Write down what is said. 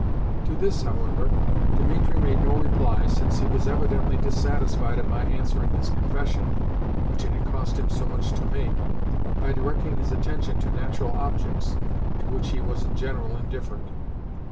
To this, however, Dimitri made no reply, since he was evidently dissatisfied at my answering his confession (which it had cost him much to make) by directing his attention to natural objects (to which he was, in general, indifferent).